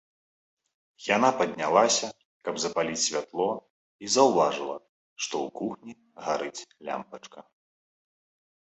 Яна паднялася, каб запаліць святло, і заўважыла, што ў кухні гарыць лямпачка.